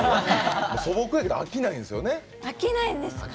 素朴で飽きないんですよね。